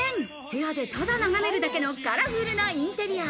部屋でただ眺めるだけのカラフルなインテリア。